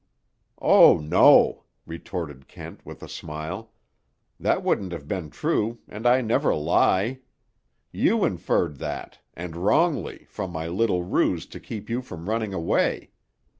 "Oh, no," retorted Kent, with a smile. "That wouldn't have been true, and I never lie. You inferred that, and wrongly, from my little ruse to keep you from running away.